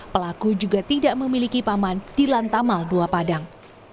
pelaku juga tidak memiliki paman di lantamal dua padang